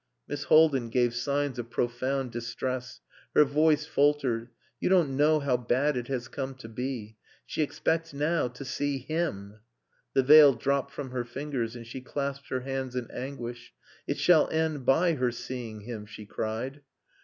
Miss Haldin gave signs of profound distress. Her voice faltered. "You don't know how bad it has come to be. She expects now to see him!" The veil dropped from her fingers and she clasped her hands in anguish. "It shall end by her seeing him," she cried.